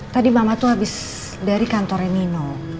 tadi mama tuh habis dari kantornya nino